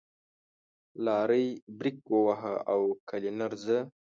لارۍ برېک وواهه او کلينر زه.